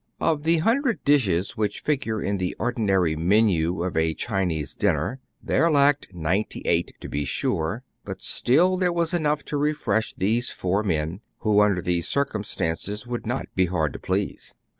Of the hundred dishes which figure in the ordi nary me7iii of a Chinese dinner, there lacked nine ty eight, to be sure ; but still there was enough to refresh these four men, who under these circum stances would not be hard to please.